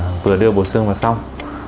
sau đó mình vừa đưa bột xương vào xong